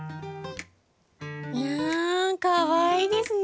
いやかわいいですね。